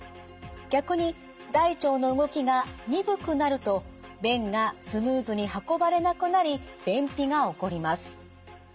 逆に大腸の動きが鈍くなると便がスムーズに運ばれなくなり便秘が起こります。